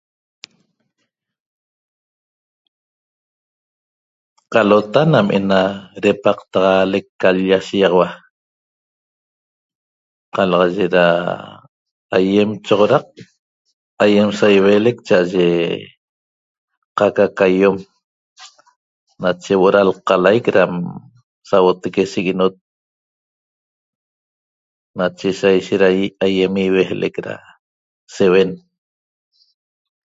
Qalota nam ena repaqtaxalec ca l-lla shegaxaua qalaxaye ra aiem choxoraq aiem saiueelec cha'aye qaca ca iom nache huo'o ra lqalaic ram sauotaque shiguenot nache saishet ra aiem ihueelec ra seuen